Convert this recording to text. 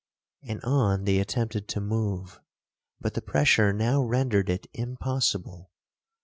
And on they attempted to move, but the pressure now rendered it impossible.